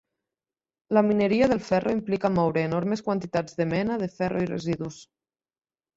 La mineria del ferro implica moure enormes quantitats de mena de ferro i residus.